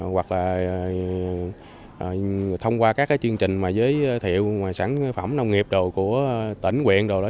hoặc là thông qua các cái chương trình mà giới thiệu sản phẩm nông nghiệp đồ của tỉnh quyện đồ đó